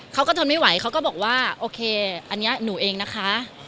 ทนไม่ไหวเขาก็บอกว่าโอเคอันนี้หนูเองนะคะ